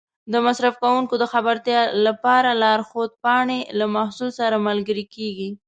د مصرف کوونکو د خبرتیا لپاره لارښود پاڼې له محصول سره ملګري کېږي.